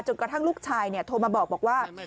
กระทั่งลูกชายโทรมาบอกว่า